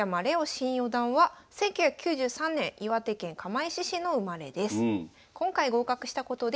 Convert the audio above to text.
新四段は１９９３年岩手県釜石市の生まれです。